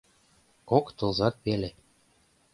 Кок тылзат пеле.